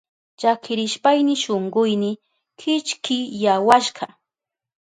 Llakirishpayni shunkuyni kichkiyawashka.